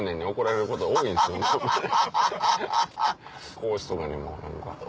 孔子とかにも何か。